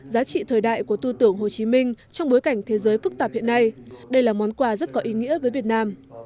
giá trị thời đại của tư tưởng hồ chí minh trong bối cảnh thế giới phức tạp hiện nay đây là món quà rất có ý nghĩa với việt nam